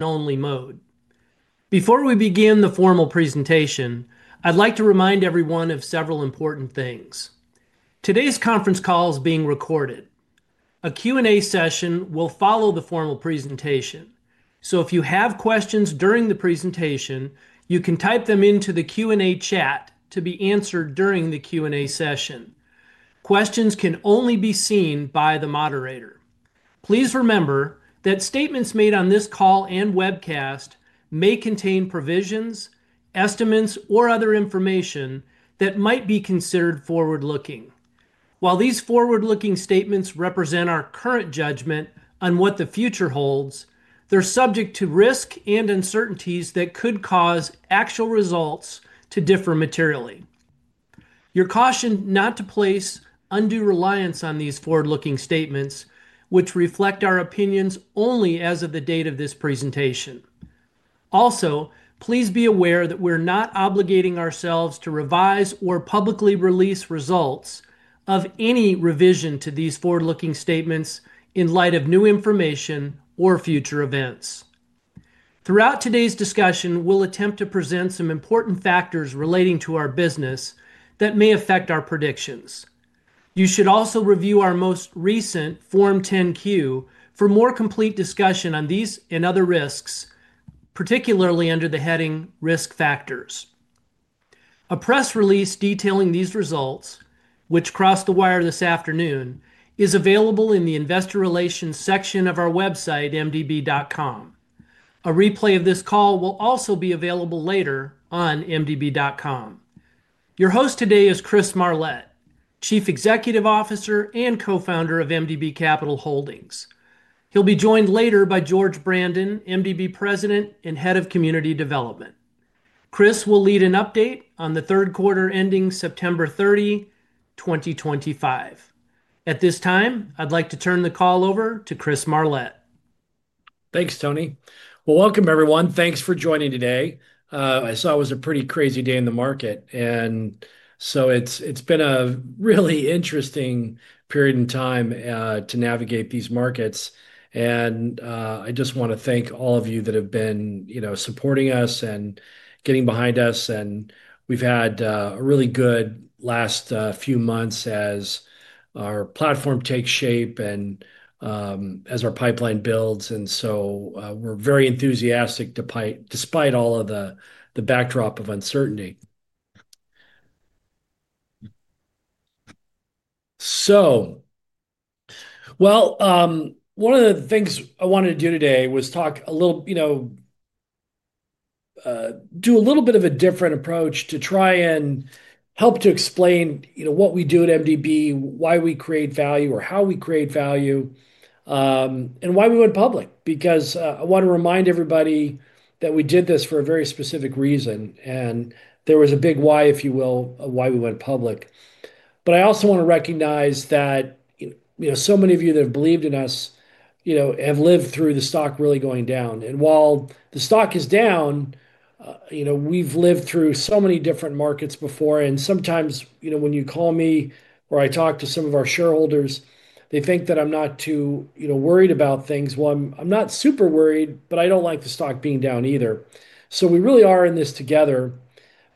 Only mode. Before we begin the formal presentation, I'd like to remind everyone of several important things. Today's conference call is being recorded. A Q&A session will follow the formal presentation, so if you have questions during the presentation, you can type them into the Q&A chat to be answered during the Q&A session. Questions can only be seen by the moderator. Please remember that statements made on this call and webcast may contain provisions, estimates, or other information that might be considered forward-looking. While these forward-looking statements represent our current judgment on what the future holds, they're subject to risk and uncertainties that could cause actual results to differ materially. You're cautioned not to place undue reliance on these forward-looking statements, which reflect our opinions only as of the date of this presentation. Also, please be aware that we're not obligating ourselves to revise or publicly release results of any revision to these forward-looking statements in light of new information or future events. Throughout today's discussion, we'll attempt to present some important factors relating to our business that may affect our predictions. You should also review our most recent Form 10Q for more complete discussion on these and other risks, particularly under the heading Risk Factors. A press release detailing these results, which crossed the wire this afternoon, is available in the Investor Relations section of our website, MDB.com. A replay of this call will also be available later on MDB.com. Your host today is Chris Marlett, Chief Executive Officer and Co-founder of MDB Capital Holdings. He'll be joined later by George Brandon, MDB President and Head of Community Development. Chris will lead an update on the third quarter ending September 30, 2025. At this time, I'd like to turn the call over to Chris Marlett. Thanks, Tony. Welcome, everyone. Thanks for joining today. I saw it was a pretty crazy day in the market, and it has been a really interesting period in time to navigate these markets. I just want to thank all of you that have been supporting us and getting behind us. We have had a really good last few months as our platform takes shape and as our pipeline builds. We are very enthusiastic despite all of the backdrop of uncertainty. One of the things I wanted to do today was talk a little, do a little bit of a different approach to try and help to explain what we do at MDB, why we create value, or how we create value, and why we went public. Because I want to remind everybody that we did this for a very specific reason, and there was a big why, if you will, why we went public. I also want to recognize that so many of you that have believed in us have lived through the stock really going down. While the stock is down, we've lived through so many different markets before. Sometimes when you call me or I talk to some of our shareholders, they think that I'm not too worried about things. I am not super worried, but I do not like the stock being down either. We really are in this together.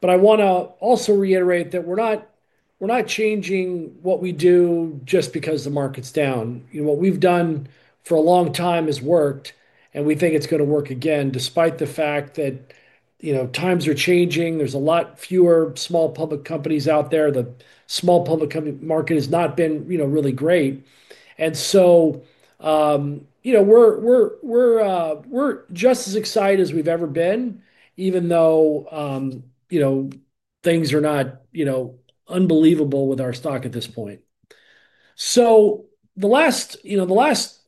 I want to also reiterate that we're not changing what we do just because the market's down. What we've done for a long time has worked, and we think it's going to work again despite the fact that times are changing. There are a lot fewer small public companies out there. The small public market has not been really great. We are just as excited as we've ever been, even though things are not unbelievable with our stock at this point. The last,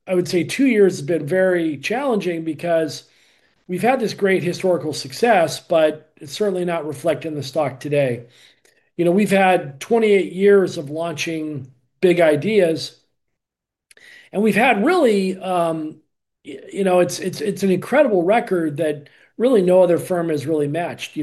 I would say, two years have been very challenging because we've had this great historical success, but it's certainly not reflecting the stock today. We've had 28 years of launching big ideas, and we've had really, it's an incredible record that really no other firm has really matched.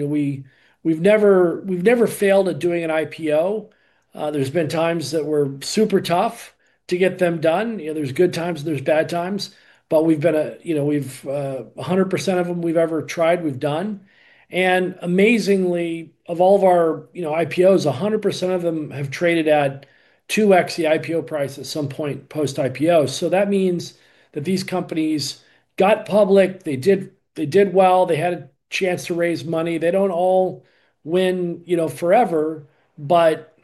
We've never failed at doing an IPO. There have been times that were super tough to get them done. are good times and there are bad times, but we have been at 100% of them we have ever tried, we have done. Amazingly, of all of our IPOs, 100% of them have traded at 2x the IPO price at some point post-IPO. That means that these companies got public, they did well, they had a chance to raise money. They do not all win forever, but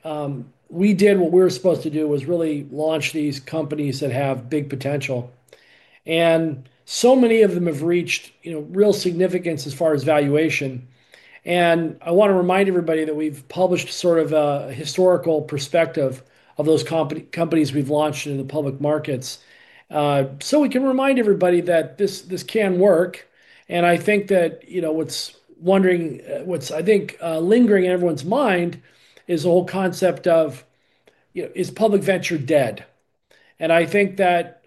we did what we were supposed to do, which was really launch these companies that have big potential. Many of them have reached real significance as far as valuation. I want to remind everybody that we have published sort of a historical perspective of those companies we have launched into the public markets. We can remind everybody that this can work. I think that what is lingering in everyone's mind is the whole concept of, is public venture dead? I think that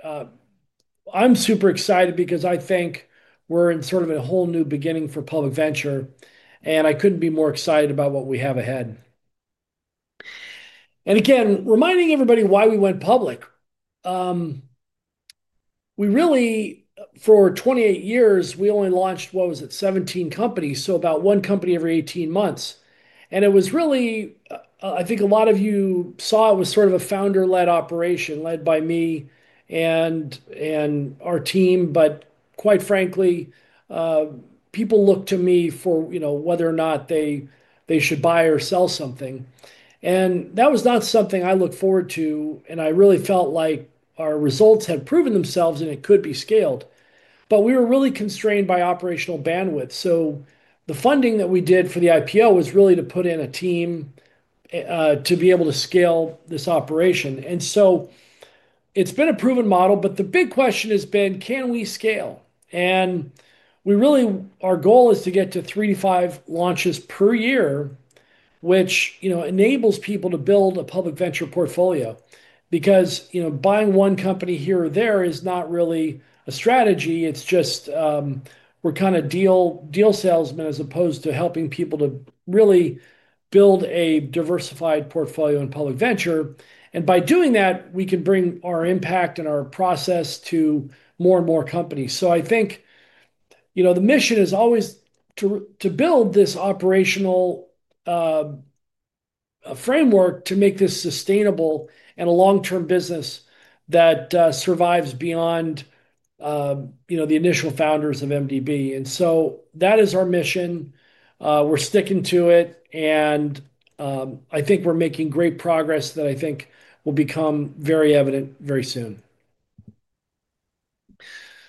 I'm super excited because I think we're in sort of a whole new beginning for public venture, and I couldn't be more excited about what we have ahead. Again, reminding everybody why we went public. For 28 years, we only launched, what was it, 17 companies, so about one company every 18 months. It was really, I think a lot of you saw it was sort of a founder-led operation led by me and our team. Quite frankly, people looked to me for whether or not they should buy or sell something. That was not something I looked forward to, and I really felt like our results had proven themselves and it could be scaled. We were really constrained by operational bandwidth. The funding that we did for the IPO was really to put in a team to be able to scale this operation. It has been a proven model, but the big question has been, can we scale? Our goal is to get to three to five launches per year, which enables people to build a public venture portfolio. Because buying one company here or there is not really a strategy. It is just we are kind of deal salesmen as opposed to helping people to really build a diversified portfolio in public venture. By doing that, we can bring our impact and our process to more and more companies. I think the mission is always to build this operational framework to make this sustainable and a long-term business that survives beyond the initial founders of MDB. That is our mission. We're sticking to it, and I think we're making great progress that I think will become very evident very soon.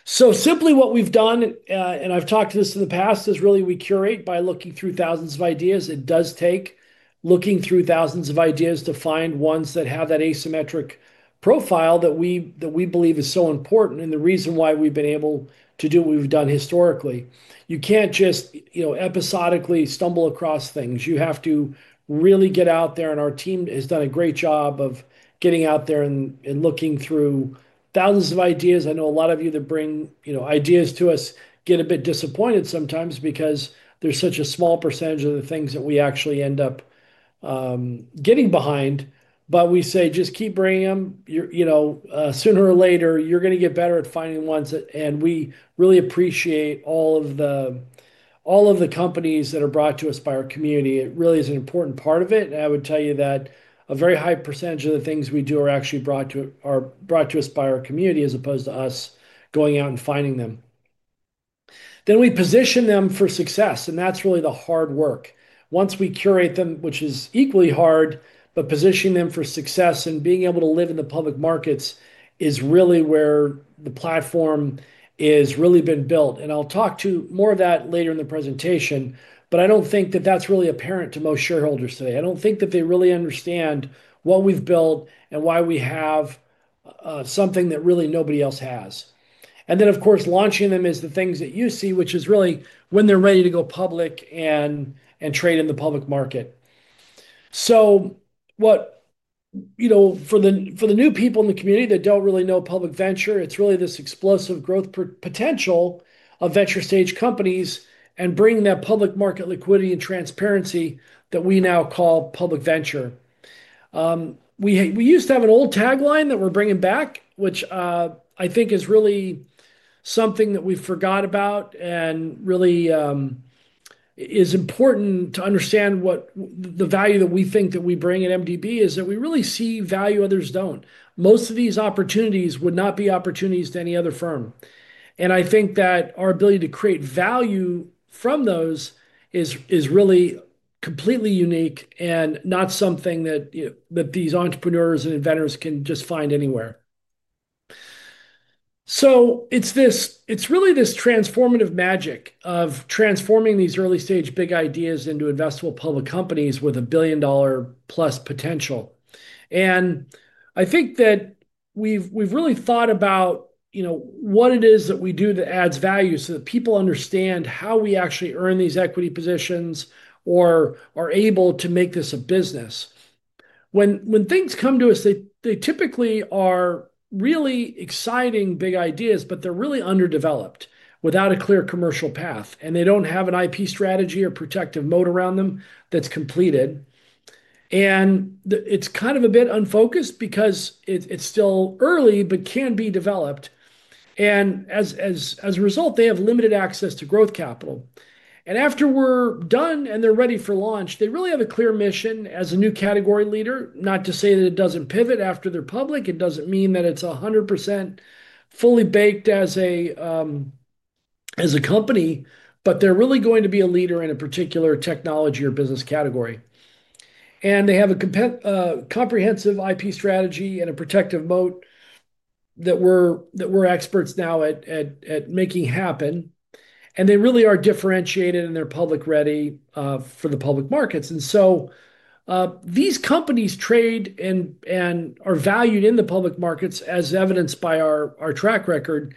Simply, what we've done, and I've talked to this in the past, is really we curate by looking through thousands of ideas. It does take looking through thousands of ideas to find ones that have that asymmetric profile that we believe is so important and the reason why we've been able to do what we've done historically. You can't just episodically stumble across things. You have to really get out there, and our team has done a great job of getting out there and looking through thousands of ideas. I know a lot of you that bring ideas to us get a bit disappointed sometimes because there's such a small percentage of the things that we actually end up getting behind. We say, just keep bringing them. Sooner or later, you're going to get better at finding ones. We really appreciate all of the companies that are brought to us by our community. It really is an important part of it. I would tell you that a very high percentage of the things we do are actually brought to us by our community as opposed to us going out and finding them. We position them for success, and that's really the hard work. Once we curate them, which is equally hard, positioning them for success and being able to live in the public markets is really where the platform has really been built. I'll talk to more of that later in the presentation, but I don't think that that's really apparent to most shareholders today. I don't think that they really understand what we've built and why we have something that really nobody else has. Of course, launching them is the things that you see, which is really when they're ready to go public and trade in the public market. For the new people in the community that don't really know public venture, it's really this explosive growth potential of venture-stage companies and bringing that public market liquidity and transparency that we now call public venture. We used to have an old tagline that we're bringing back, which I think is really something that we've forgot about and really is important to understand. The value that we think that we bring at MDB is that we really see value others don't. Most of these opportunities would not be opportunities to any other firm. I think that our ability to create value from those is really completely unique and not something that these entrepreneurs and inventors can just find anywhere. It is really this transformative magic of transforming these early-stage big ideas into investable public companies with a billion-dollar-plus potential. I think that we have really thought about what it is that we do that adds value so that people understand how we actually earn these equity positions or are able to make this a business. When things come to us, they typically are really exciting big ideas, but they are really underdeveloped without a clear commercial path, and they do not have an IP strategy or protective moat around them that is completed. It is kind of a bit unfocused because it is still early, but can be developed. As a result, they have limited access to growth capital. After we're done and they're ready for launch, they really have a clear mission as a new category leader. Not to say that it doesn't pivot after they're public. It doesn't mean that it's 100% fully baked as a company, but they're really going to be a leader in a particular technology or business category. They have a comprehensive IP strategy and a protective moat that we're experts now at making happen. They really are differentiated, and they're public-ready for the public markets. These companies trade and are valued in the public markets as evidenced by our track record.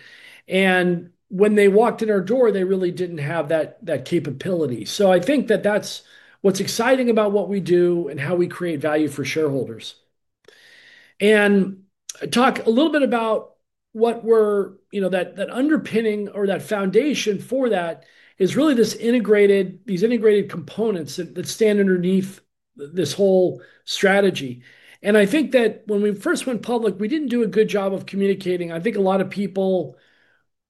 When they walked in our door, they really didn't have that capability. I think that that's what's exciting about what we do and how we create value for shareholders. I'll talk a little bit about what we're that underpinning or that foundation for that is really these integrated components that stand underneath this whole strategy. I think that when we first went public, we didn't do a good job of communicating. I think a lot of people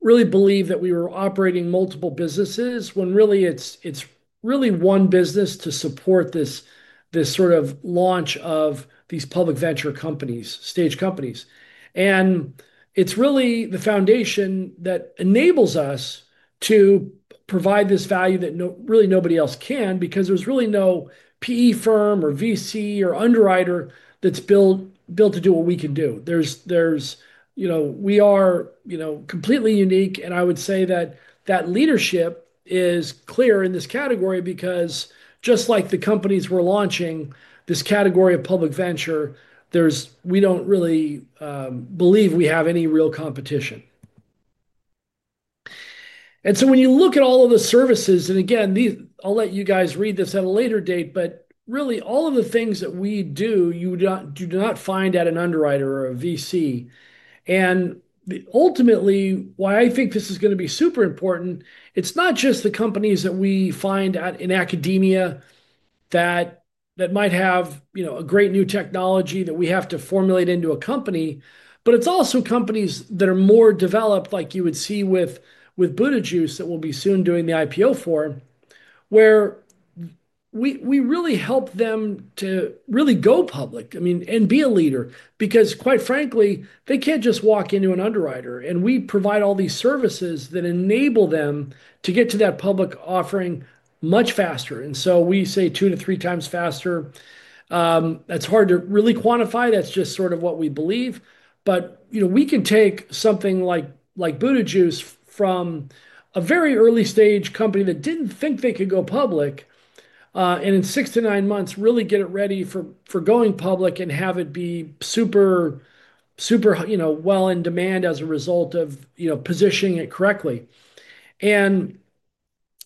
really believe that we were operating multiple businesses when really it's really one business to support this sort of launch of these public venture companies, stage companies. It's really the foundation that enables us to provide this value that really nobody else can because there's really no PE firm or VC or underwriter that's built to do what we can do. We are completely unique, and I would say that that leadership is clear in this category because just like the companies we're launching, this category of public venture, we don't really believe we have any real competition. When you look at all of the services, and again, I'll let you guys read this at a later date, but really all of the things that we do, you do not find at an underwriter or a VC. Ultimately, why I think this is going to be super important, it's not just the companies that we find in academia that might have a great new technology that we have to formulate into a company, but it's also companies that are more developed, like you would see with Buda Juice that we will be soon doing the IPO for, where we really help them to really go public and be a leader. Quite frankly, they can't just walk into an underwriter, and we provide all these services that enable them to get to that public offering much faster. We say two to three times faster. That's hard to really quantify. That's just sort of what we believe. We can take something like Buda Juice from a very early-stage company that didn't think they could go public and in six to nine months really get it ready for going public and have it be super well in demand as a result of positioning it correctly.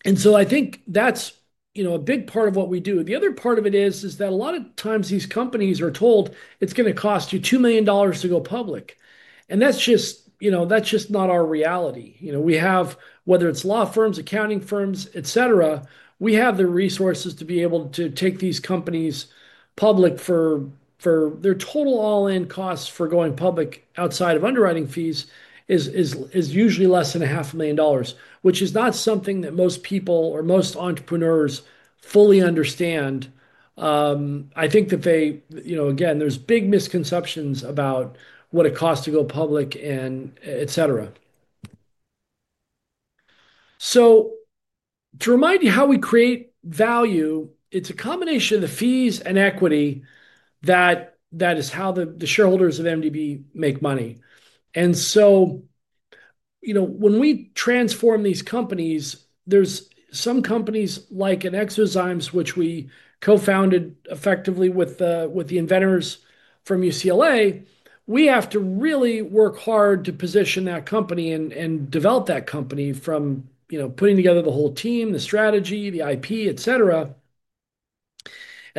I think that's a big part of what we do. The other part of it is that a lot of times these companies are told, "It's going to cost you $2 million to go public." That's just not our reality. Whether it's law firms, accounting firms, etc., we have the resources to be able to take these companies public for their total all-in costs for going public outside of underwriting fees is usually less than $500,000, which is not something that most people or most entrepreneurs fully understand. I think that, again, there's big misconceptions about what it costs to go public, etc. To remind you how we create value, it's a combination of the fees and equity that is how the shareholders of MDB make money. When we transform these companies, there's some companies like an Exazyme, which we co-founded effectively with the inventors from UCLA. We have to really work hard to position that company and develop that company from putting together the whole team, the strategy, the IP, etc.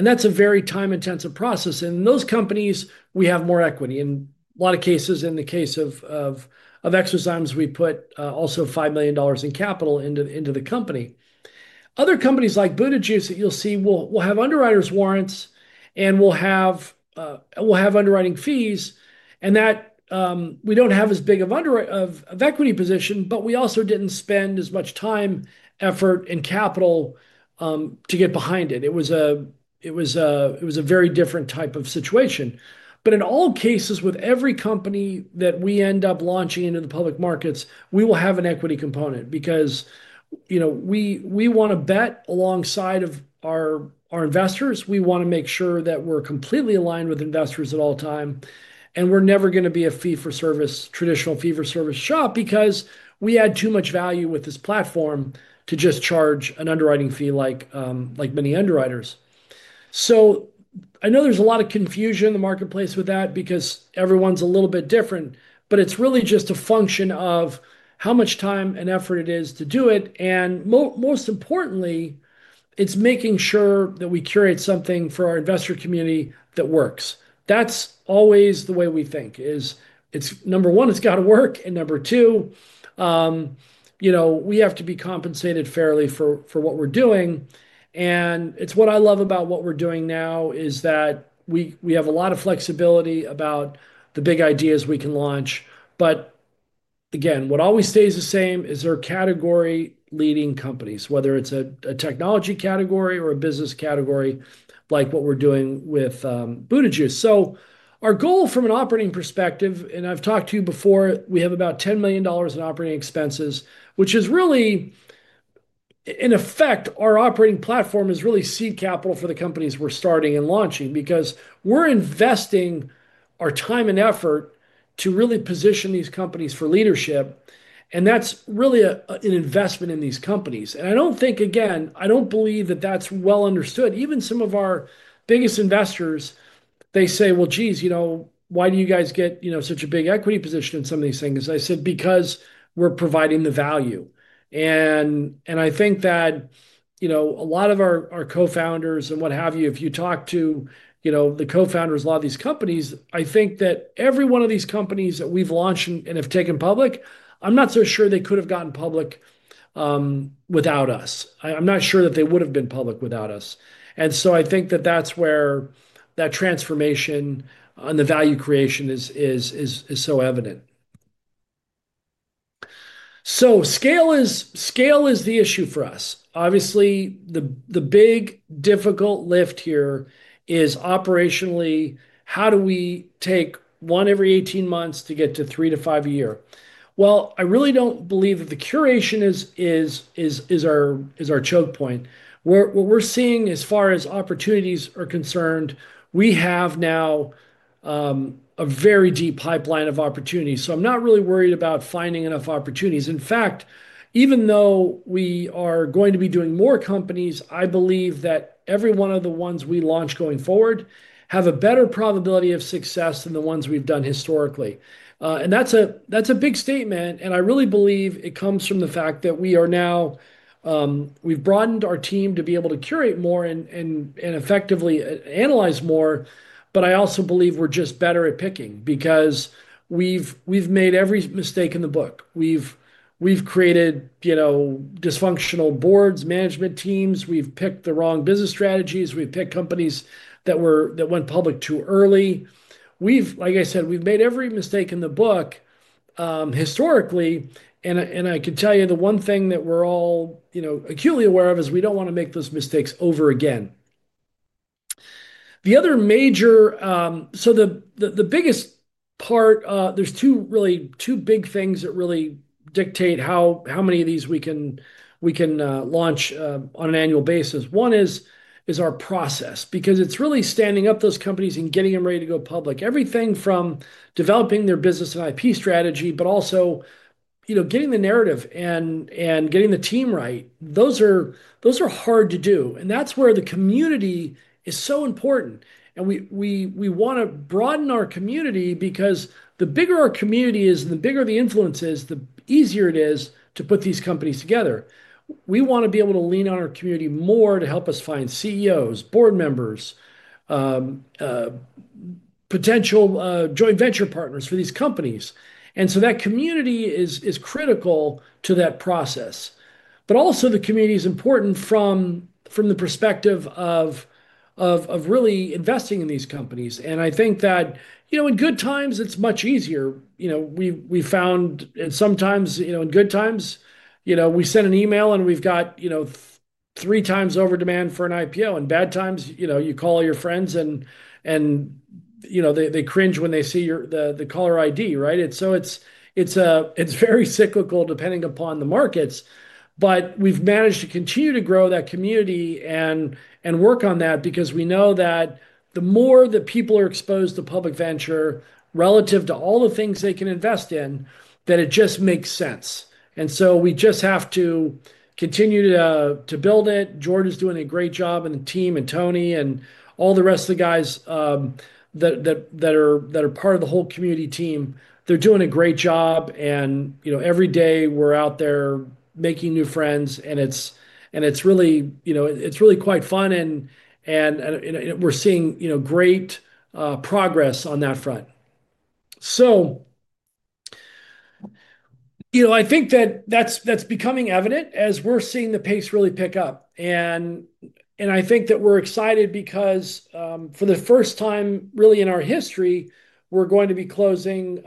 That's a very time-intensive process. In those companies, we have more equity. In a lot of cases, in the case of Exazyme, we put also $5 million in capital into the company. Other companies like Buda Juice that you'll see will have underwriters' warrants and will have underwriting fees. We do not have as big of an equity position, but we also did not spend as much time, effort, and capital to get behind it. It was a very different type of situation. In all cases, with every company that we end up launching into the public markets, we will have an equity component because we want to bet alongside of our investors. We want to make sure that we're completely aligned with investors at all times. We're never going to be a traditional fee-for-service shop because we add too much value with this platform to just charge an underwriting fee like many underwriters. I know there's a lot of confusion in the marketplace with that because everyone's a little bit different. It's really just a function of how much time and effort it is to do it. Most importantly, it's making sure that we curate something for our investor community that works. That's always the way we think. Number one, it's got to work. Number two, we have to be compensated fairly for what we're doing. What I love about what we're doing now is that we have a lot of flexibility about the big ideas we can launch. What always stays the same is our category-leading companies, whether it's a technology category or a business category like what we're doing with Buda Juice. Our goal from an operating perspective, and I've talked to you before, we have about $10 million in operating expenses, which is really, in effect, our operating platform is really seed capital for the companies we're starting and launching because we're investing our time and effort to really position these companies for leadership. That's really an investment in these companies. I don't think, again, I don't believe that that's well understood. Even some of our biggest investors, they say, "Well, geez, why do you guys get such a big equity position in some of these things?" I said, "Because we're providing the value." I think that a lot of our co-founders and what have you, if you talk to the co-founders of a lot of these companies, I think that every one of these companies that we've launched and have taken public, I'm not so sure they could have gotten public without us. I'm not sure that they would have been public without us. I think that that's where that transformation and the value creation is so evident. Scale is the issue for us. Obviously, the big, difficult lift here is operationally, how do we take one every 18 months to get to three to five a year? I really don't believe that the curation is our choke point. What we're seeing as far as opportunities are concerned, we have now a very deep pipeline of opportunities. I'm not really worried about finding enough opportunities. In fact, even though we are going to be doing more companies, I believe that every one of the ones we launch going forward have a better probability of success than the ones we've done historically. That's a big statement. I really believe it comes from the fact that we've broadened our team to be able to curate more and effectively analyze more. I also believe we're just better at picking because we've made every mistake in the book. We've created dysfunctional boards, management teams. We've picked the wrong business strategies. We've picked companies that went public too early. Like I said, we've made every mistake in the book historically. I can tell you the one thing that we're all acutely aware of is we don't want to make those mistakes over again. The biggest part, there's really two big things that really dictate how many of these we can launch on an annual basis. One is our process because it's really standing up those companies and getting them ready to go public. Everything from developing their business and IP strategy, but also getting the narrative and getting the team right. Those are hard to do. That's where the community is so important. We want to broaden our community because the bigger our community is and the bigger the influence is, the easier it is to put these companies together. We want to be able to lean on our community more to help us find CEOs, board members, potential joint venture partners for these companies. That community is critical to that process. The community is important from the perspective of really investing in these companies. I think that in good times, it's much easier. We found sometimes in good times, we send an email and we've got three times over demand for an IPO. In bad times, you call your friends and they cringe when they see the caller ID, right? It is very cyclical depending upon the markets. We've managed to continue to grow that community and work on that because we know that the more that people are exposed to public venture relative to all the things they can invest in, that it just makes sense. We just have to continue to build it. Jordan's doing a great job and the team and Tony and all the rest of the guys that are part of the whole community team, they're doing a great job. Every day we're out there making new friends. It's really quite fun. We're seeing great progress on that front. I think that that's becoming evident as we're seeing the pace really pick up. I think that we're excited because for the first time really in our history, we're going to be closing,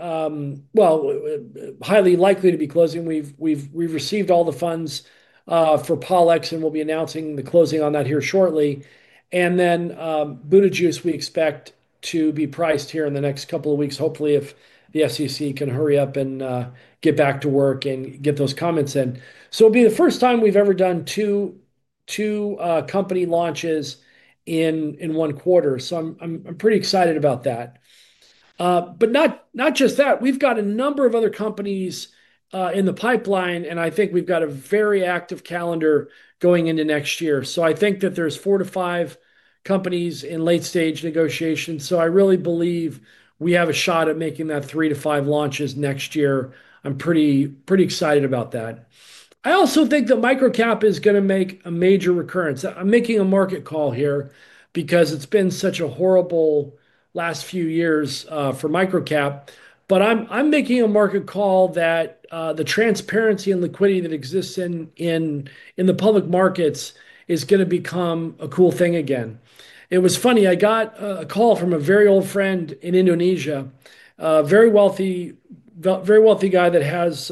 highly likely to be closing. We've received all the funds for Pollex, and we'll be announcing the closing on that here shortly. Buda Juice, we expect to be priced here in the next couple of weeks, hopefully if the SEC can hurry up and get back to work and get those comments in. It will be the first time we've ever done two company launches in one quarter. I'm pretty excited about that. Not just that, we've got a number of other companies in the pipeline, and I think we've got a very active calendar going into next year. I think that there are four to five companies in late-stage negotiations. I really believe we have a shot at making that three to five launches next year. I'm pretty excited about that. I also think that MicroCap is going to make a major recurrence. I'm making a market call here because it's been such a horrible last few years for MicroCap. I'm making a market call that the transparency and liquidity that exists in the public markets is going to become a cool thing again. It was funny. I got a call from a very old friend in Indonesia, a very wealthy guy that has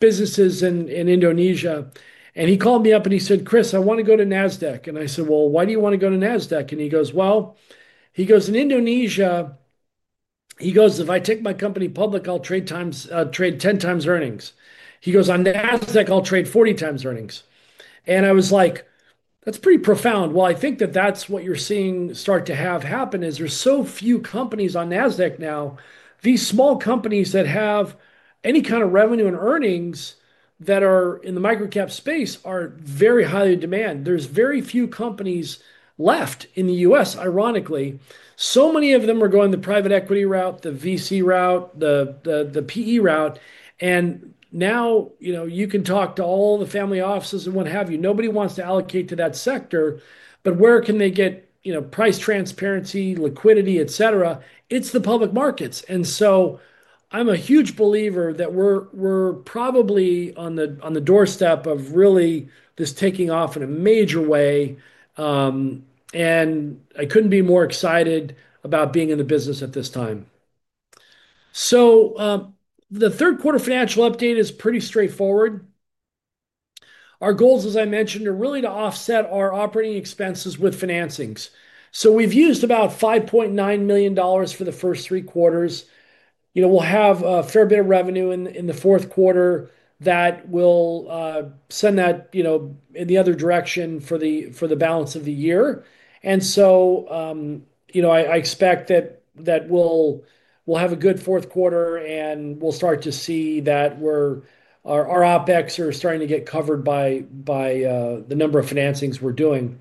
businesses in Indonesia. He called me up and he said, "Chris, I want to go to Nasdaq." I said, "Why do you want to go to Nasdaq?" He goes, "In Indonesia, if I take my company public, I'll trade 10 times earnings. On Nasdaq, I'll trade 40 times earnings." I was like, "That's pretty profound." I think that that's what you're seeing start to have happen is there's so few companies on Nasdaq now. These small companies that have any kind of revenue and earnings that are in the MicroCap space are very highly in demand. There are very few companies left in the U.S., ironically. So many of them are going the private equity route, the VC route, the PE route. You can talk to all the family offices and what have you. Nobody wants to allocate to that sector. Where can they get price transparency, liquidity, etc.? It is the public markets. I am a huge believer that we are probably on the doorstep of really this taking off in a major way. I could not be more excited about being in the business at this time. The third quarter financial update is pretty straightforward. Our goals, as I mentioned, are really to offset our operating expenses with financings. We have used about $5.9 million for the first three quarters. We'll have a fair bit of revenue in the fourth quarter that will send that in the other direction for the balance of the year. I expect that we'll have a good fourth quarter and we'll start to see that our OpEx are starting to get covered by the number of financings we're doing.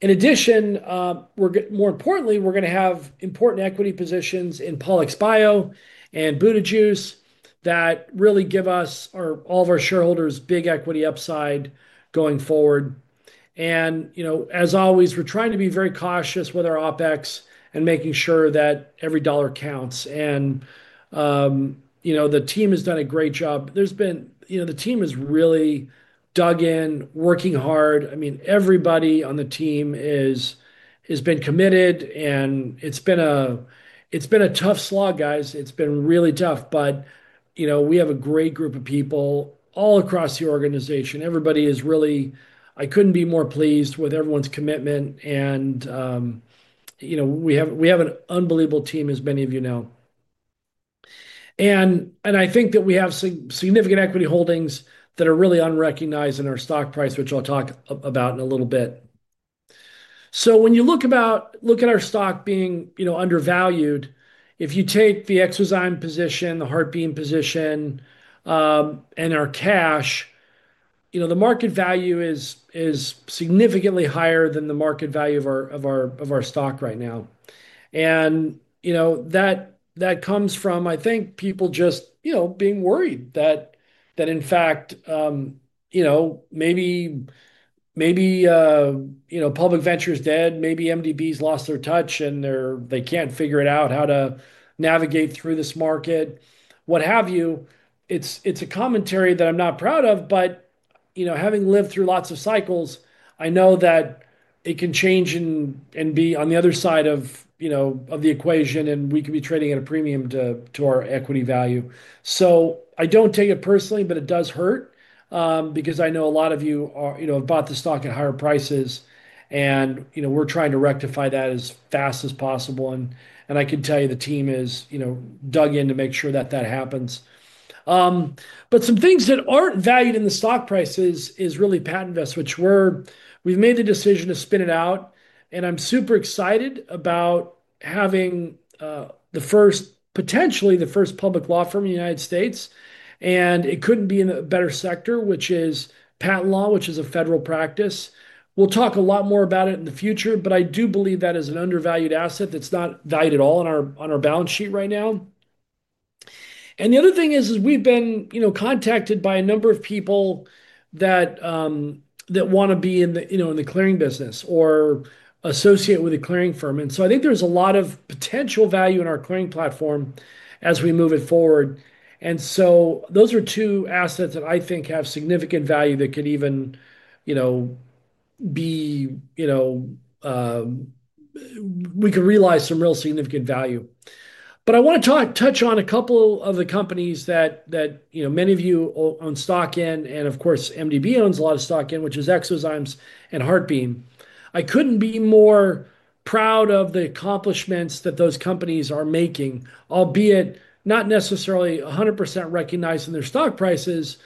In addition, more importantly, we're going to have important equity positions in Pollex Bio and Buda Juice that really give us, all of our shareholders, big equity upside going forward. As always, we're trying to be very cautious with our OpEx and making sure that every dollar counts. The team has done a great job. The team has really dug in, working hard. I mean, everybody on the team has been committed. It's been a tough slog, guys. It's been really tough. We have a great group of people all across the organization. Everybody is really—I could not be more pleased with everyone's commitment. We have an unbelievable team, as many of you know. I think that we have significant equity holdings that are really unrecognized in our stock price, which I will talk about in a little bit. When you look at our stock being undervalued, if you take the Exazyme position, the Heartbeat position, and our cash, the market value is significantly higher than the market value of our stock right now. That comes from, I think, people just being worried that, in fact, maybe public venture is dead, maybe MDB has lost their touch and they cannot figure out how to navigate through this market, what have you. It is a commentary that I am not proud of. Having lived through lots of cycles, I know that it can change and be on the other side of the equation, and we could be trading at a premium to our equity value. I do not take it personally, but it does hurt because I know a lot of you have bought the stock at higher prices, and we're trying to rectify that as fast as possible. I can tell you the team has dug in to make sure that that happens. Some things that are not valued in the stock prices is really Patentvest investments, which we've made the decision to spin out. I am super excited about having potentially the first public law firm in the United States. It could not be in a better sector, which is patent law, which is a federal practice. We'll talk a lot more about it in the future, but I do believe that is an undervalued asset that's not valued at all on our balance sheet right now. The other thing is we've been contacted by a number of people that want to be in the clearing business or associate with a clearing firm. I think there's a lot of potential value in our clearing platform as we move it forward. Those are two assets that I think have significant value that could even be—we could realize some real significant value. I want to touch on a couple of the companies that many of you own stock in, and of course, MDB owns a lot of stock in, which is Exazyme and Heartbeat. I couldn't be more proud of the accomplishments that those companies are making, albeit not necessarily 100% recognized in their stock prices,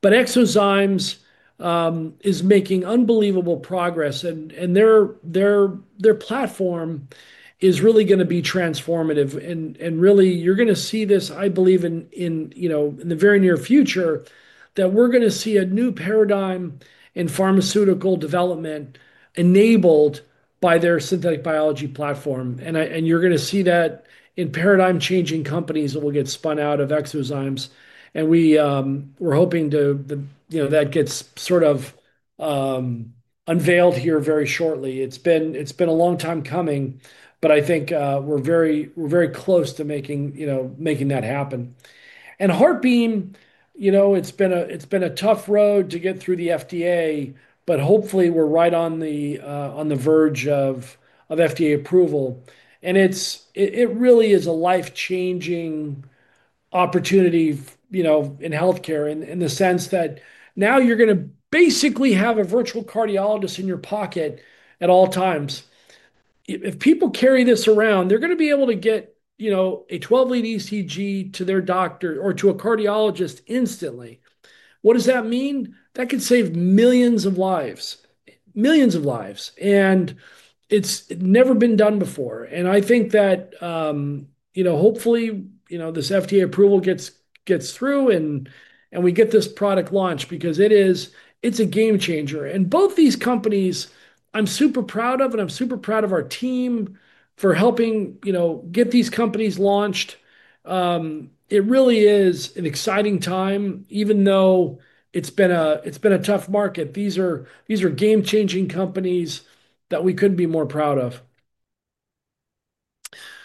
but Exazyme is making unbelievable progress. Their platform is really going to be transformative. Really, you're going to see this, I believe, in the very near future that we're going to see a new paradigm in pharmaceutical development enabled by their synthetic biology platform. You're going to see that in paradigm-changing companies that will get spun out of Exazyme. We're hoping that gets sort of unveiled here very shortly. It's been a long time coming, but I think we're very close to making that happen. Heartbeat, it's been a tough road to get through the FDA, but hopefully we're right on the verge of FDA approval. It really is a life-changing opportunity in healthcare in the sense that now you're going to basically have a virtual cardiologist in your pocket at all times. If people carry this around, they're going to be able to get a 12-lead ECG to their doctor or to a cardiologist instantly. What does that mean? That could save millions of lives, millions of lives. It's never been done before. I think that hopefully this FDA approval gets through and we get this product launched because it's a game changer. Both these companies, I'm super proud of, and I'm super proud of our team for helping get these companies launched. It really is an exciting time, even though it's been a tough market. These are game-changing companies that we couldn't be more proud of.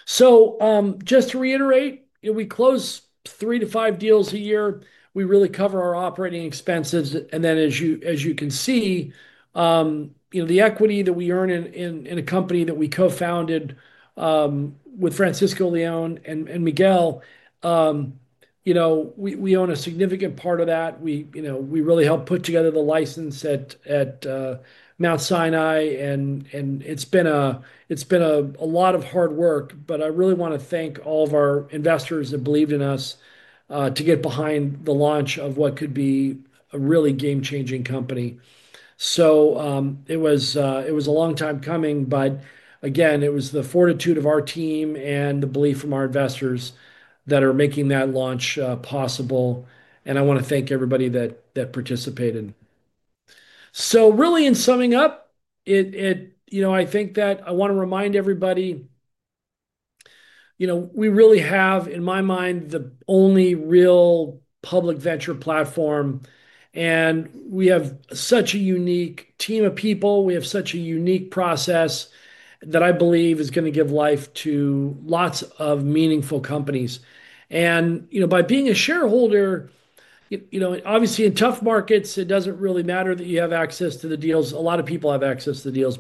Just to reiterate, we close three to five deals a year. We really cover our operating expenses. Then, as you can see, the equity that we earn in a company that we co-founded with Francisco Leone and Miguel, we own a significant part of that. We really helped put together the license at Mount Sinai. It has been a lot of hard work. I really want to thank all of our investors that believed in us to get behind the launch of what could be a really game-changing company. It was a long time coming. It was the fortitude of our team and the belief from our investors that are making that launch possible. I want to thank everybody that participated. In summing up, I think that I want to remind everybody we really have, in my mind, the only real public venture platform. We have such a unique team of people. We have such a unique process that I believe is going to give life to lots of meaningful companies. By being a shareholder, obviously, in tough markets, it does not really matter that you have access to the deals. A lot of people have access to the deals.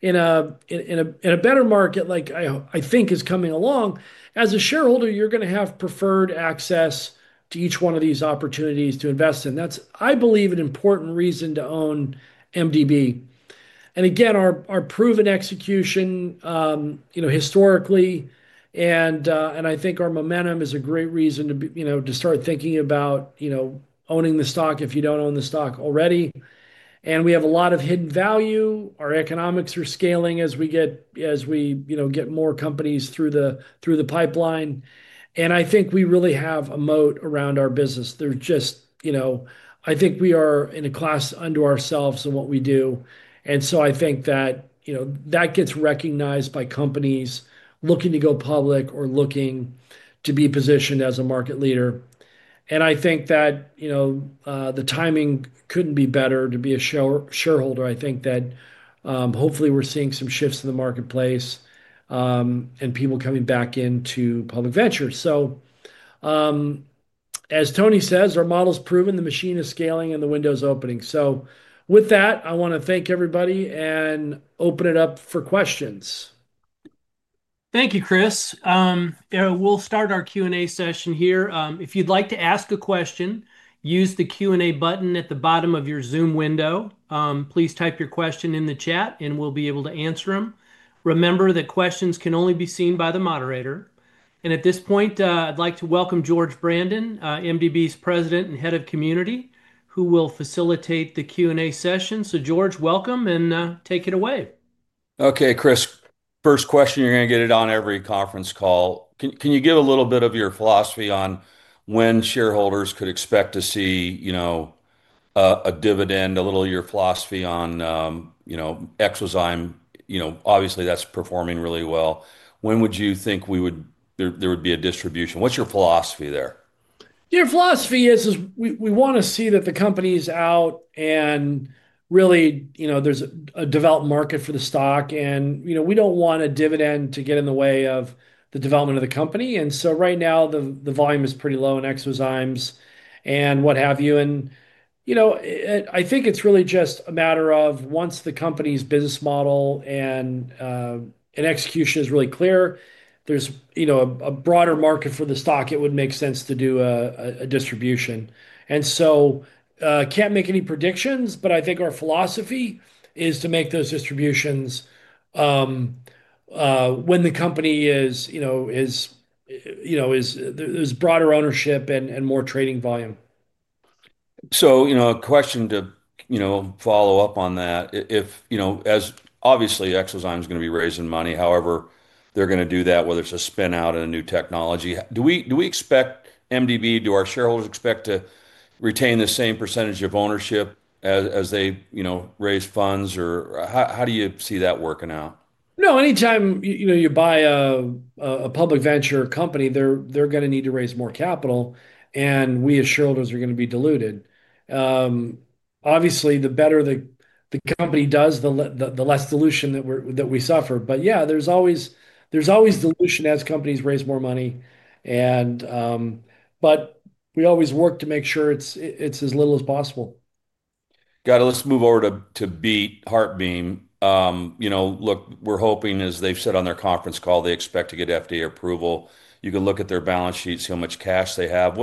In a better market, like I think is coming along, as a shareholder, you are going to have preferred access to each one of these opportunities to invest in. That is, I believe, an important reason to own MDB. Again, our proven execution historically, and I think our momentum is a great reason to start thinking about owning the stock if you do not own the stock already. We have a lot of hidden value. Our economics are scaling as we get more companies through the pipeline. I think we really have a moat around our business. I think we are in a class unto ourselves in what we do. I think that that gets recognized by companies looking to go public or looking to be positioned as a market leader. I think that the timing could not be better to be a shareholder. I think that hopefully we are seeing some shifts in the marketplace and people coming back into public venture. As Tony says, our model's proven, the machine is scaling, and the window's opening. With that, I want to thank everybody and open it up for questions. Thank you, Chris. We'll start our Q&A session here. If you'd like to ask a question, use the Q&A button at the bottom of your Zoom window. Please type your question in the chat, and we'll be able to answer them. Remember that questions can only be seen by the moderator. At this point, I'd like to welcome George Brandon, MDB's President and Head of Community, who will facilitate the Q&A session. George, welcome, and take it away. Okay, Chris, first question, you're going to get it on every conference call. Can you give a little bit of your philosophy on when shareholders could expect to see a dividend, a little of your philosophy on Exazyme? Obviously, that's performing really well. When would you think there would be a distribution? What's your philosophy there? Your philosophy is we want to see that the company is out and really there's a developed market for the stock. We don't want a dividend to get in the way of the development of the company. Right now, the volume is pretty low in Exazyme and what have you. I think it's really just a matter of once the company's business model and execution is really clear, there's a broader market for the stock, it would make sense to do a distribution. I can't make any predictions, but I think our philosophy is to make those distributions when the company has broader ownership and more trading volume. A question to follow up on that. Obviously, Exazyme is going to be raising money. However, they're going to do that, whether it's a spin-out and a new technology. Do we expect MDB, do our shareholders expect to retain the same percentage of ownership as they raise funds? Or how do you see that working out? No, anytime you buy a public venture company, they're going to need to raise more capital. And we as shareholders are going to be diluted. Obviously, the better the company does, the less dilution that we suffer. But yeah, there's always dilution as companies raise more money. But we always work to make sure it's as little as possible. Got it. Let's move over to Beat, Heartbeat. Look, we're hoping, as they've said on their conference call, they expect to get FDA approval. You can look at their balance sheets, see how much cash they have.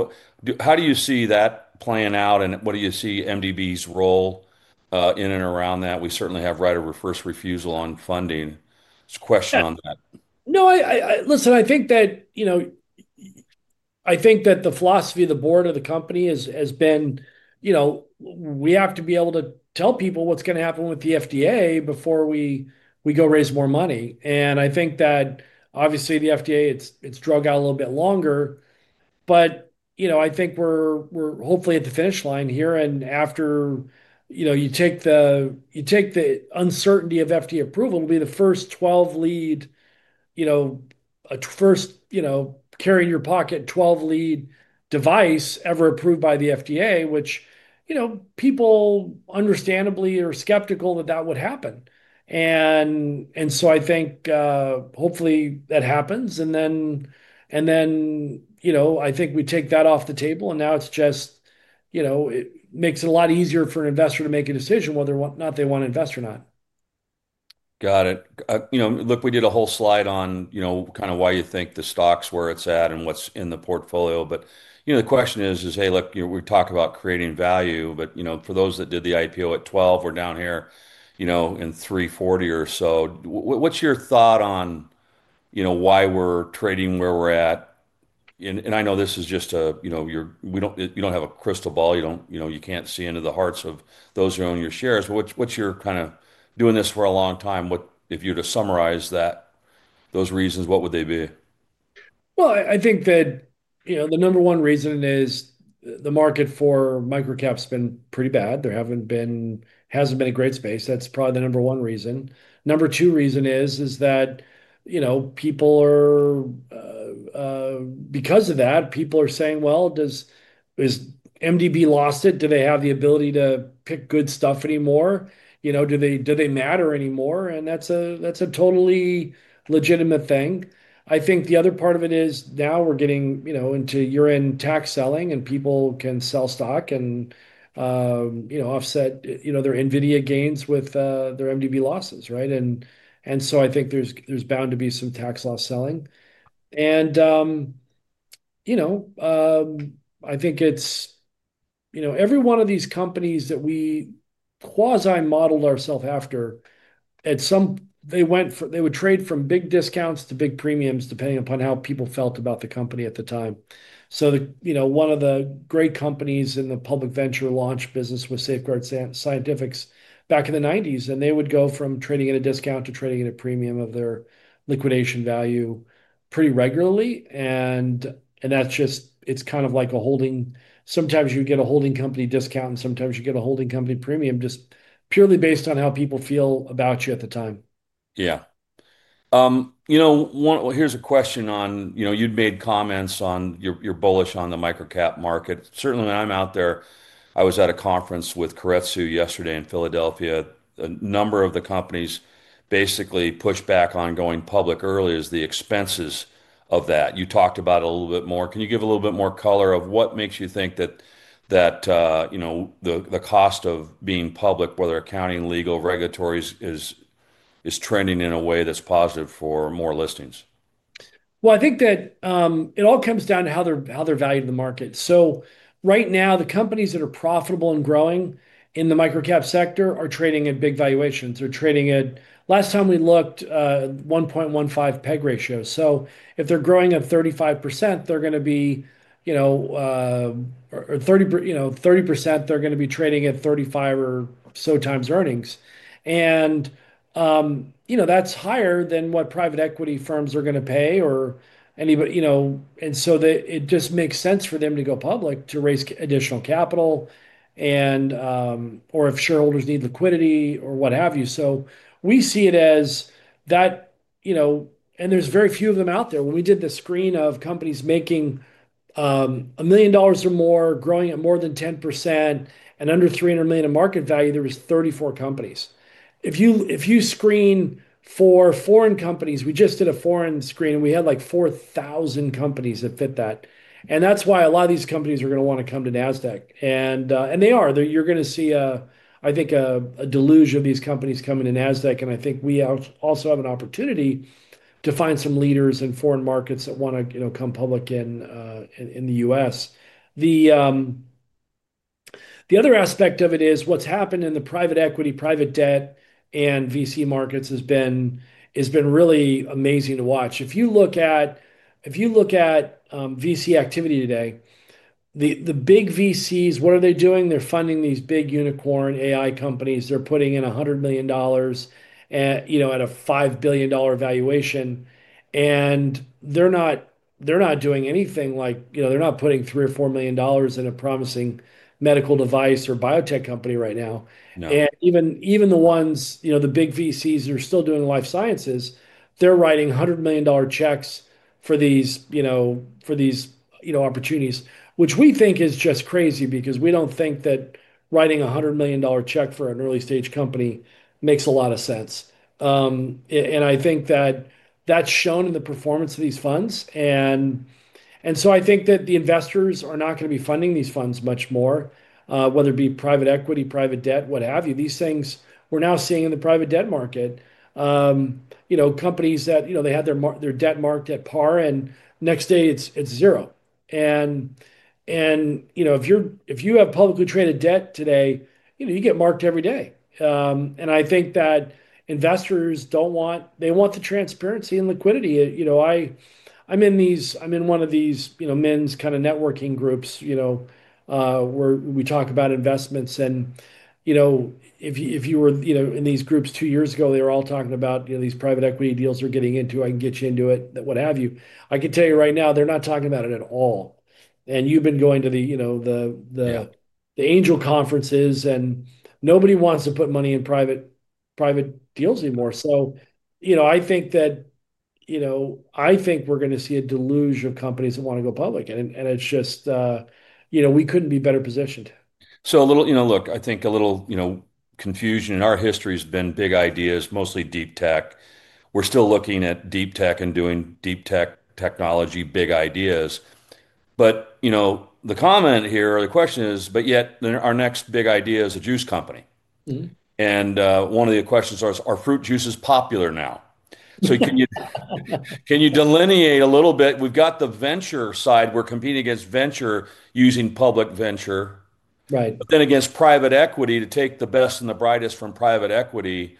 How do you see that playing out? What do you see MDB's role in and around that? We certainly have right of reverse refusal on funding. Just a question on that. No, listen, I think that the philosophy of the board of the company has been we have to be able to tell people what's going to happen with the FDA before we go raise more money. I think that obviously the FDA, it's dragged out a little bit longer. I think we're hopefully at the finish line here. After you take the uncertainty of FDA approval, it'll be the first 12-lead, a first carry-in-your-pocket 12-lead device ever approved by the FDA, which people understandably are skeptical that that would happen. I think hopefully that happens. I think we take that off the table. Now it just makes it a lot easier for an investor to make a decision whether or not they want to invest or not. Got it. Look, we did a whole slide on kind of why you think the stock's where it's at and what's in the portfolio. The question is, hey, look, we talk about creating value. For those that did the IPO at $12, we're down here in $3.40 or so. What's your thought on why we're trading where we're at? I know this is just a you don't have a crystal ball. You can't see into the hearts of those who own your shares. What's your kind of doing this for a long time? If you were to summarize those reasons, what would they be? I think that the number one reason is the market for microcaps has been pretty bad. There hasn't been a great space. That's probably the number one reason. The number two reason is that because of that, people are saying, "Has MDB lost it? Do they have the ability to pick good stuff anymore? Do they matter anymore?" That's a totally legitimate thing. I think the other part of it is now we're getting into year-end tax selling, and people can sell stock and offset their NVIDIA gains with their MDB losses, right? I think there's bound to be some tax loss selling. I think it's every one of these companies that we quasi-modeled ourselves after, at some point, they would trade from big discounts to big premiums, depending upon how people felt about the company at the time. One of the great companies in the public venture launch business was Safeguard Scientifics back in the 1990s. They would go from trading at a discount to trading at a premium of their liquidation value pretty regularly. That is just, it is kind of like a holding. Sometimes you get a holding company discount, and sometimes you get a holding company premium just purely based on how people feel about you at the time. Yeah. Here's a question on you'd made comments on you're bullish on the microcap market. Certainly, when I'm out there, I was at a conference with Coretzu yesterday in Philadelphia. A number of the companies basically pushed back on going public early as the expenses of that. You talked about it a little bit more. Can you give a little bit more color of what makes you think that the cost of being public, whether accounting, legal, regulatory, is trending in a way that's positive for more listings? I think that it all comes down to how they're valued in the market. Right now, the companies that are profitable and growing in the microcap sector are trading at big valuations. They're trading at, last time we looked, 1.15 peg ratio. If they're growing at 35%, they're going to be or 30%, they're going to be trading at 35 or so times earnings. That is higher than what private equity firms are going to pay or anybody. It just makes sense for them to go public to raise additional capital or if shareholders need liquidity or what have you. We see it as that, and there's very few of them out there. When we did the screen of companies making $1 million or more, growing at more than 10%, and under $300 million in market value, there were 34 companies. If you screen for foreign companies, we just did a foreign screen, and we had like 4,000 companies that fit that. That is why a lot of these companies are going to want to come to NASDAQ. They are. You are going to see, I think, a deluge of these companies coming to NASDAQ. I think we also have an opportunity to find some leaders in foreign markets that want to come public in the US. The other aspect of it is what has happened in the private equity, private debt, and VC markets has been really amazing to watch. If you look at VC activity today, the big VCs, what are they doing? They are funding these big unicorn AI companies. They are putting in $100 million at a $5 billion valuation. They're not doing anything like they're not putting $3 million or $4 million in a promising medical device or biotech company right now. Even the big VCs that are still doing life sciences, they're writing $100 million checks for these opportunities, which we think is just crazy because we don't think that writing a $100 million check for an early-stage company makes a lot of sense. I think that that's shown in the performance of these funds. I think that the investors are not going to be funding these funds much more, whether it be private equity, private debt, what have you. These things we're now seeing in the private debt market. Companies that they had their debt marked at par, and next day it's zero. If you have publicly traded debt today, you get marked every day. I think that investors do not want, they want the transparency and liquidity. I am in one of these men's kind of networking groups where we talk about investments. If you were in these groups two years ago, they were all talking about these private equity deals they are getting into, I can get you into it, what have you. I can tell you right now, they are not talking about it at all. You have been going to the angel conferences, and nobody wants to put money in private deals anymore. I think that we are going to see a deluge of companies that want to go public. We could not be better positioned. Look, I think a little confusion in our history has been big ideas, mostly deep tech. We're still looking at deep tech and doing deep tech technology, big ideas. The comment here, the question is, yet our next big idea is a juice company. One of the questions is, are fruit juices popular now? Can you delineate a little bit? We've got the venture side. We're competing against venture using public venture. Right. Then against private equity to take the best and the brightest from private equity,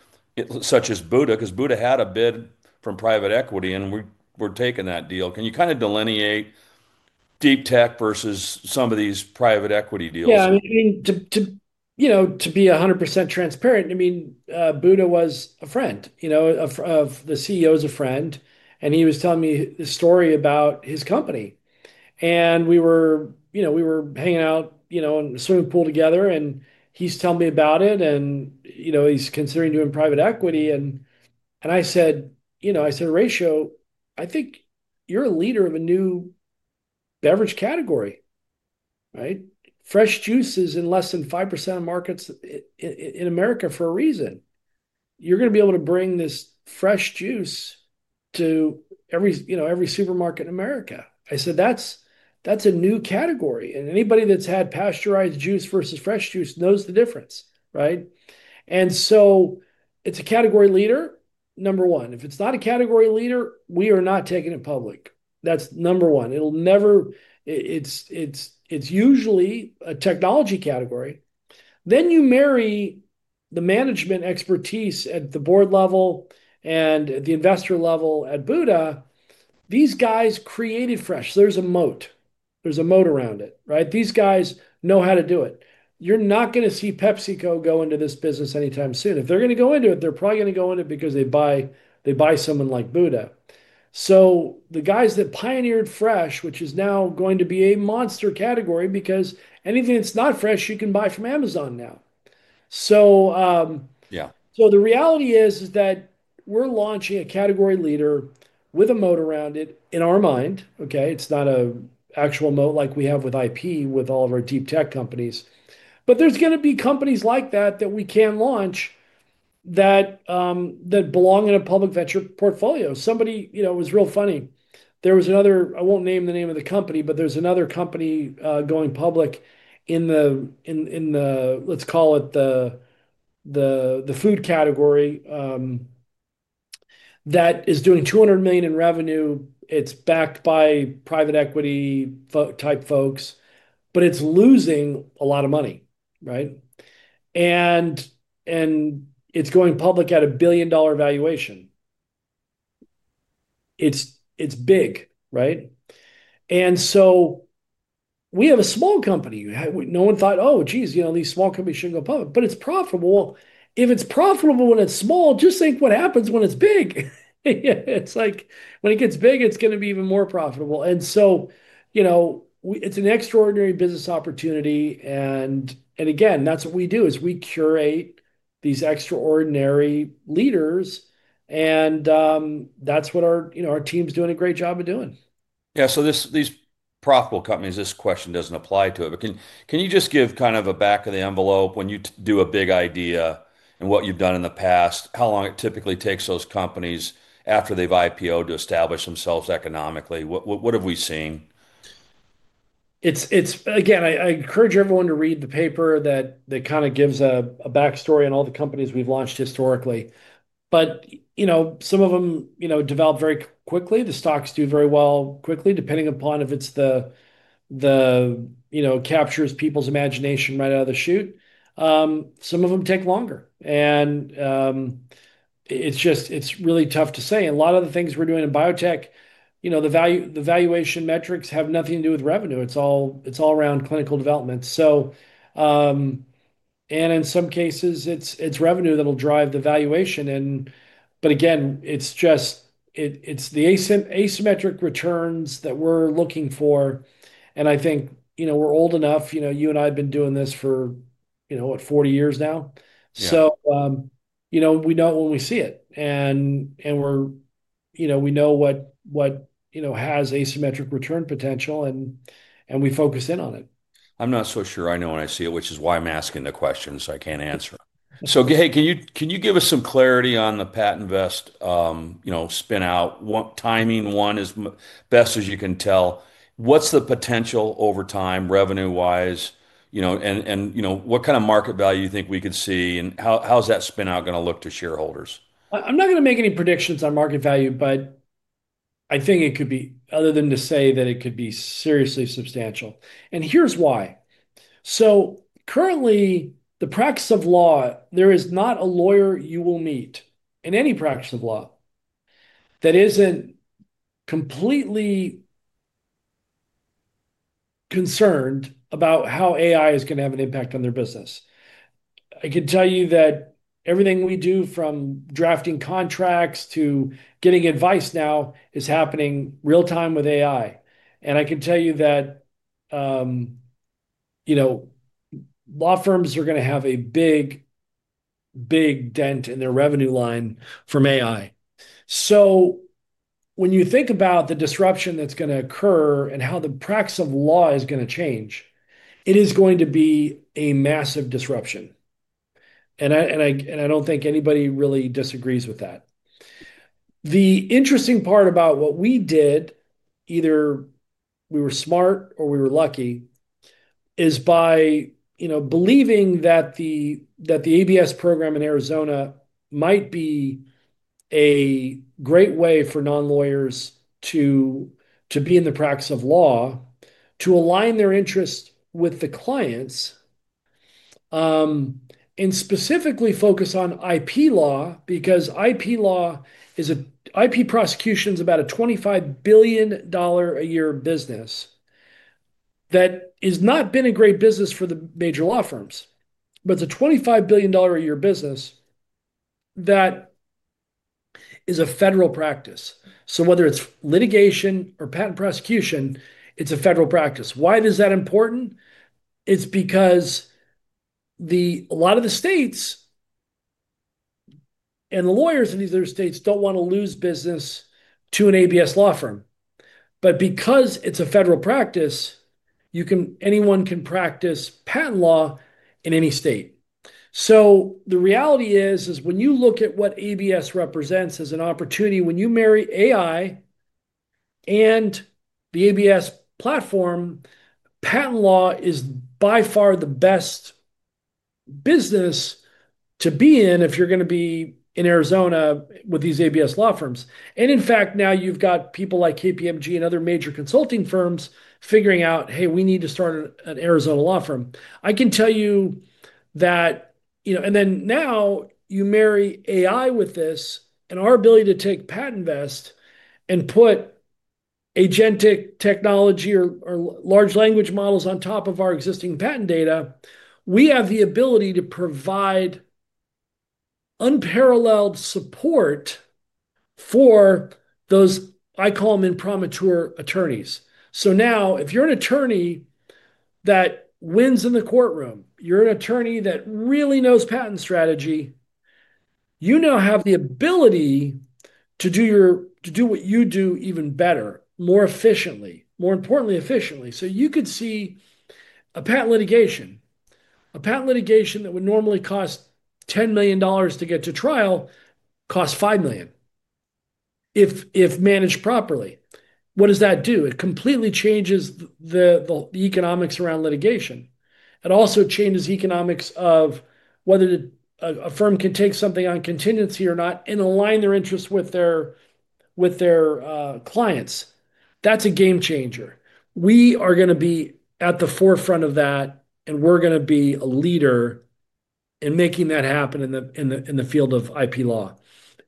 such as Buda Juice, because Buda Juice had a bid from private equity, and we're taking that deal. Can you kind of delineate deep tech versus some of these private equity deals? Yeah. I mean, to be 100% transparent, I mean, Buddha was a friend of the CEO's friend, and he was telling me the story about his company. We were hanging out in a swimming pool together, and he's telling me about it, and he's considering doing private equity. I said, "Raju, I think you're a leader of a new beverage category, right? Fresh juice is in less than 5% of markets in America for a reason. You're going to be able to bring this fresh juice to every supermarket in America." I said, "That's a new category." Anybody that's had pasteurized juice versus fresh juice knows the difference, right? It's a category leader, number one. If it's not a category leader, we are not taking it public. That's number one. It's usually a technology category. You marry the management expertise at the board level and the investor level at Buddha. These guys created fresh. There's a moat. There's a moat around it, right? These guys know how to do it. You're not going to see PepsiCo go into this business anytime soon. If they're going to go into it, they're probably going to go into it because they buy someone like Buddha. The guys that pioneered fresh, which is now going to be a monster category because anything that's not fresh, you can buy from Amazon now. The reality is that we're launching a category leader with a moat around it in our mind, okay? It's not an actual moat like we have with IP, with all of our deep tech companies. There's going to be companies like that that we can launch that belong in a public venture portfolio. Somebody was real funny. There was another, I won't name the name of the company, but there's another company going public in the, let's call it the food category, that is doing $200 million in revenue. It's backed by private equity type folks, but it's losing a lot of money, right? It's going public at a $1 billion valuation. It's big, right? We have a small company. No one thought, "Oh, geez, these small companies shouldn't go public." It's profitable. If it's profitable when it's small, just think what happens when it's big. Like, when it gets big, it's going to be even more profitable. It's an extraordinary business opportunity. Again, that's what we do, we curate these extraordinary leaders. That's what our team's doing a great job of doing. Yeah. These profitable companies, this question does not apply to it. Can you just give kind of a back of the envelope, when you do a big idea and what you have done in the past, how long it typically takes those companies after they have IPO'd to establish themselves economically? What have we seen? Again, I encourage everyone to read the paper that kind of gives a backstory on all the companies we've launched historically. Some of them develop very quickly. The stocks do very well quickly, depending upon if it captures people's imagination right out of the chute. Some of them take longer. It's really tough to say. A lot of the things we're doing in biotech, the valuation metrics have nothing to do with revenue. It's all around clinical development. In some cases, it's revenue that'll drive the valuation. Again, it's the asymmetric returns that we're looking for. I think we're old enough. You and I have been doing this for, what, 40 years now? We know when we see it. We know what has asymmetric return potential, and we focus in on it. I'm not so sure I know when I see it, which is why I'm asking the questions I can't answer. Hey, can you give us some clarity on the PatentVest spinout? Timing-wise, as best as you can tell. What's the potential over time, revenue-wise? What kind of market value do you think we could see? How's that spinout going to look to shareholders? I'm not going to make any predictions on market value, but I think it could be, other than to say that it could be seriously substantial. Here's why. Currently, the practice of law, there is not a lawyer you will meet in any practice of law that isn't completely concerned about how AI is going to have an impact on their business. I can tell you that everything we do, from drafting contracts to getting advice now, is happening real-time with AI. I can tell you that law firms are going to have a big, big dent in their revenue line from AI. When you think about the disruption that's going to occur and how the practice of law is going to change, it is going to be a massive disruption. I don't think anybody really disagrees with that. The interesting part about what we did, either we were smart or we were lucky, is by believing that the ABS program in Arizona might be a great way for non-lawyers to be in the practice of law, to align their interests with the clients, and specifically focus on IP law because IP law and IP prosecution is about a $25 billion a year business that has not been a great business for the major law firms. It is a $25 billion a year business that is a federal practice. Whether it is litigation or patent prosecution, it is a federal practice. Why is that important? It is because a lot of the states and the lawyers in these other states do not want to lose business to an ABS law firm. Because it is a federal practice, anyone can practice patent law in any state. The reality is, when you look at what ABS represents as an opportunity, when you marry AI and the ABS platform, patent law is by far the best business to be in if you're going to be in Arizona with these ABS law firms. In fact, now you've got people like KPMG and other major consulting firms figuring out, "Hey, we need to start an Arizona law firm." I can tell you that. Now you marry AI with this and our ability to take Patentvest and put agentic technology or large language models on top of our existing patent data, we have the ability to provide unparalleled support for those, I call them, impromature attorneys. If you're an attorney that wins in the courtroom, you're an attorney that really knows patent strategy, you now have the ability to do what you do even better, more efficiently, more importantly, efficiently. You could see a patent litigation, a patent litigation that would normally cost $10 million to get to trial, costs $5 million if managed properly. What does that do? It completely changes the economics around litigation. It also changes the economics of whether a firm can take something on contingency or not and align their interests with their clients. That's a game changer. We are going to be at the forefront of that, and we're going to be a leader in making that happen in the field of IP law.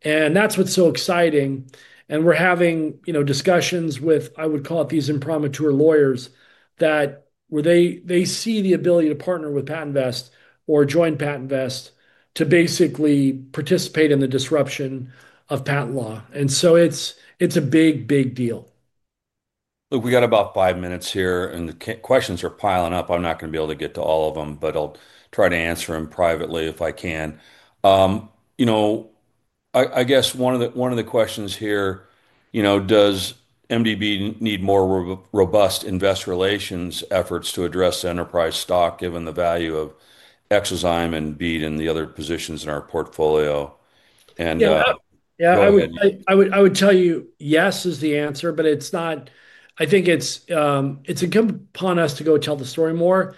That's what's so exciting. We are having discussions with, I would call it, these entrepreneurial lawyers that they see the ability to partner with Patentvest or join Patentvest to basically participate in the disruption of patent law. It is a big, big deal. Look, we got about five minutes here, and the questions are piling up. I'm not going to be able to get to all of them, but I'll try to answer them privately if I can. I guess one of the questions here, does MDB need more robust investor relations efforts to address enterprise stock given the value of Exazyme and Buda Juice and the other positions in our portfolio? Yeah. Yeah. I would tell you yes is the answer, but I think it's incumbent upon us to go tell the story more.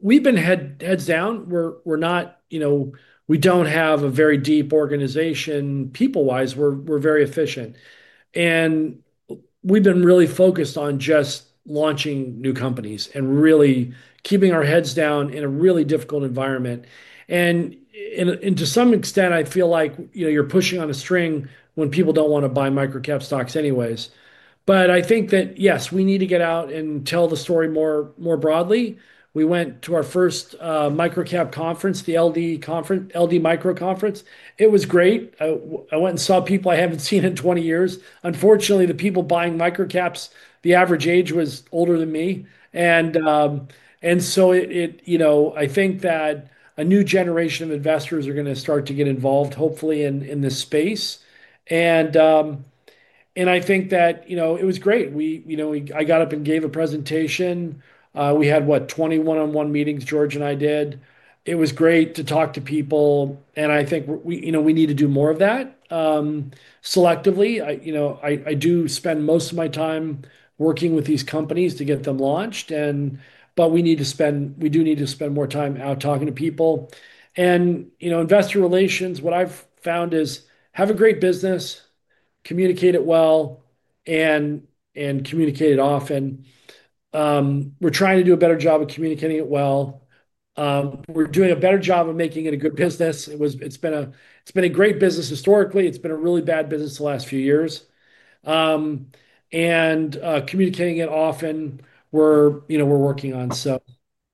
We've been heads down. We don't have a very deep organization. People-wise, we're very efficient. We've been really focused on just launching new companies and really keeping our heads down in a really difficult environment. To some extent, I feel like you're pushing on a string when people don't want to buy micro-cap stocks anyways. I think that, yes, we need to get out and tell the story more broadly. We went to our first micro-cap conference, the LD Micro conference. It was great. I went and saw people I haven't seen in 20 years. Unfortunately, the people buying micro-caps, the average age was older than me. I think that a new generation of investors are going to start to get involved, hopefully, in this space. I think that it was great. I got up and gave a presentation. We had, what, 20 one-on-one meetings, George and I did. It was great to talk to people. I think we need to do more of that selectively. I do spend most of my time working with these companies to get them launched. We do need to spend more time out talking to people. Investor relations, what I've found is have a great business, communicate it well, and communicate it often. We're trying to do a better job of communicating it well. We're doing a better job of making it a good business. It's been a great business historically. It's been a really bad business the last few years. We're working on communicating it often,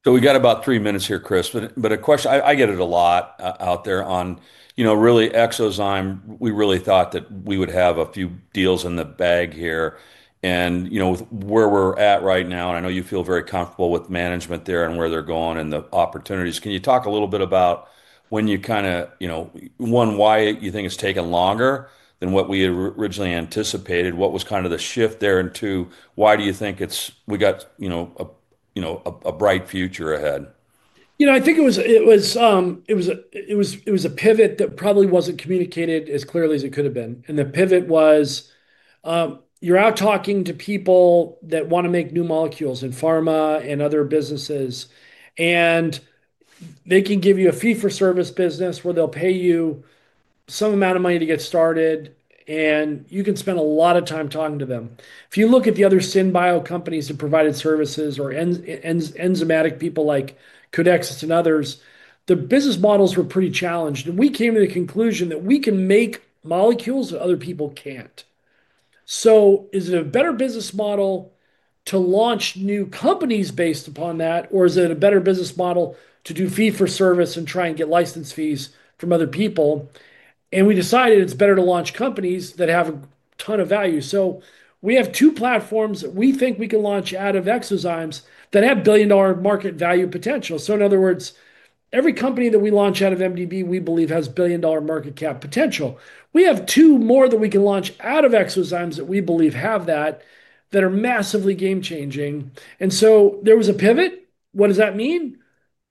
so. We got about three minutes here, Chris. I get it a lot out there on really Exazyme. We really thought that we would have a few deals in the bag here. With where we're at right now, and I know you feel very comfortable with management there and where they're going and the opportunities, can you talk a little bit about when you kind of, one, why you think it's taken longer than what we originally anticipated? What was kind of the shift there into why do you think we got a bright future ahead? I think it was a pivot that probably was not communicated as clearly as it could have been. The pivot was you are out talking to people that want to make new molecules in pharma and other businesses. They can give you a fee-for-service business where they will pay you some amount of money to get started, and you can spend a lot of time talking to them. If you look at the other SynBio companies that provided services or enzymatic people like Codexis and others, the business models were pretty challenged. We came to the conclusion that we can make molecules that other people cannot. Is it a better business model to launch new companies based upon that, or is it a better business model to do fee-for-service and try and get license fees from other people? We decided it's better to launch companies that have a ton of value. We have two platforms that we think we can launch out of Exazyme that have billion-dollar market value potential. In other words, every company that we launch out of MDB, we believe, has billion-dollar market cap potential. We have two more that we can launch out of Exazyme that we believe have that, that are massively game-changing. There was a pivot. What does that mean?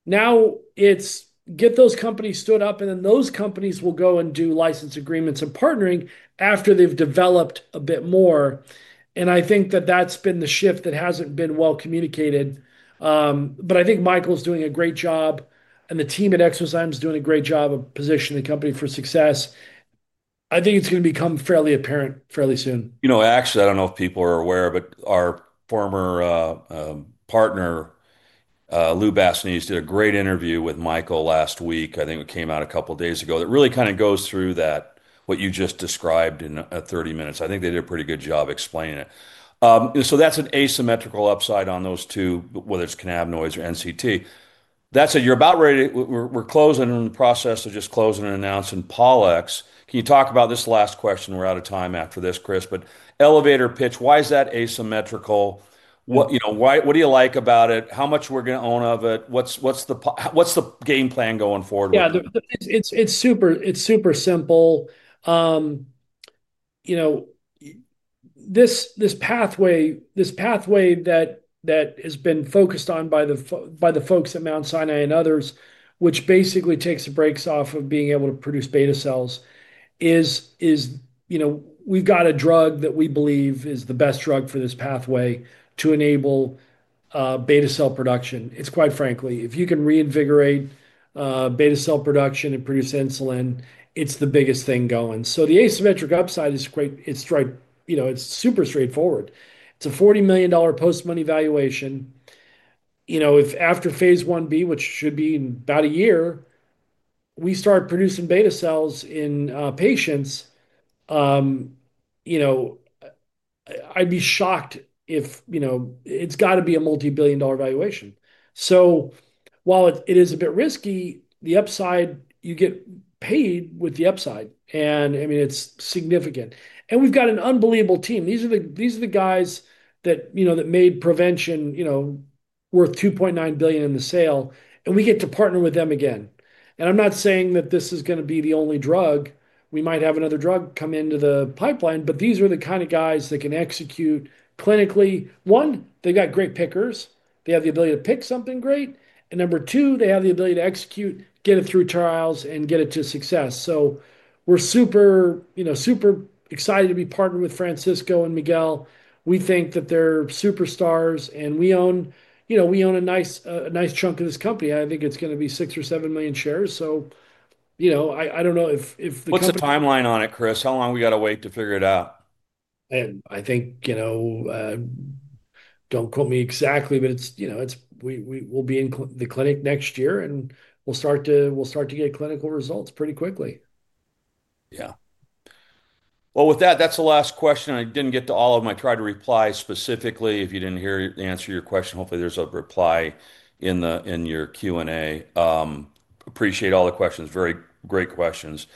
Now it's get those companies stood up, and then those companies will go and do license agreements and partnering after they've developed a bit more. I think that that's been the shift that hasn't been well communicated. I think Michael's doing a great job, and the team at Exazyme is doing a great job of positioning the company for success. I think it's going to become fairly apparent fairly soon. Actually, I don't know if people are aware, but our former partner, Lou Bassinis, did a great interview with Miguel last week. I think it came out a couple of days ago that really kind of goes through what you just described in 30 minutes. I think they did a pretty good job explaining it. That's an asymmetrical upside on those two, whether it's cannabinoids or NCT. That said, you're about ready. We're closing in the process of just closing and announcing Pollex. Can you talk about this last question? We're out of time after this, Chris. Elevator pitch, why is that asymmetrical? What do you like about it? How much we're going to own of it? What's the game plan going forward? Yeah. It's super simple. This pathway that has been focused on by the folks at Mount Sinai and others, which basically takes the brakes off of being able to produce beta cells, is we've got a drug that we believe is the best drug for this pathway to enable beta cell production. It's, quite frankly, if you can reinvigorate beta cell production and produce insulin, it's the biggest thing going. The asymmetric upside is super straightforward. It's a $40 million post-money valuation. If after phase 1B, which should be in about a year, we start producing beta cells in patients, I'd be shocked if it's got to be a multi-billion dollar valuation. While it is a bit risky, the upside, you get paid with the upside. I mean, it's significant. We've got an unbelievable team. These are the guys that made Prevention worth $2.9 billion in the sale. We get to partner with them again. I'm not saying that this is going to be the only drug. We might have another drug come into the pipeline, but these are the kind of guys that can execute clinically. One, they've got great pickers. They have the ability to pick something great. Number two, they have the ability to execute, get it through trials, and get it to success. We are super excited to be partnered with Francisco and Miguel. We think that they're superstars. We own a nice chunk of this company. I think it's going to be 6 or 7 million shares. I don't know if the company. What's the timeline on it, Chris? How long we got to wait to figure it out? I think, don't quote me exactly, but we'll be in the clinic next year, and we'll start to get clinical results pretty quickly. Yeah. With that, that's the last question. I didn't get to all of them. I tried to reply specifically. If you didn't hear the answer to your question, hopefully, there's a reply in your Q&A. Appreciate all the questions. Very great questions.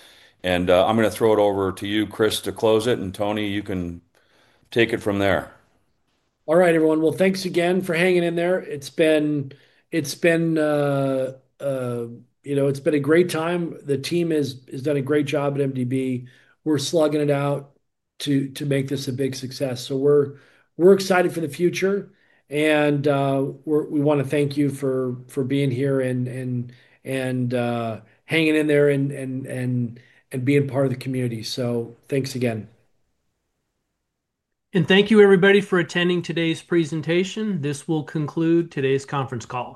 I'm going to throw it over to you, Chris, to close it. Tony, you can take it from there. All right, everyone. Thanks again for hanging in there. It's been a great time. The team has done a great job at MDB. We're slugging it out to make this a big success. We are excited for the future. We want to thank you for being here and hanging in there and being part of the community. Thanks again. Thank you, everybody, for attending today's presentation. This will conclude today's conference call.